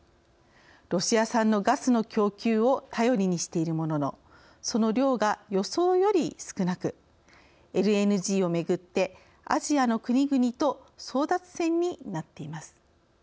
ロシア産のガスの供給を頼りにしているもののその量が予想より少なくＬＮＧをめぐってアジアの国々と争奪戦になっています。